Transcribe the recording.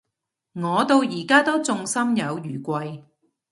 我到而家都仲心有餘悸